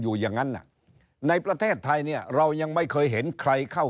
อยู่อย่างนั้นในประเทศไทยเนี่ยเรายังไม่เคยเห็นใครเข้า